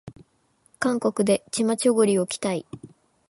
韓国でチマチョゴリを着たい